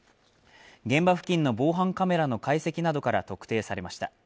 現場付近の防犯カメラの解析などから特定されました。